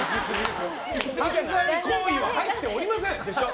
犯罪行為は入っておりません！